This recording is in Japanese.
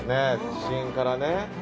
地震からね